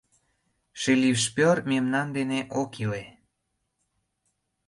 — Шилишпёр мемнан дене ок иле...